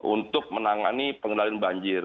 untuk menangani pengendalian banjir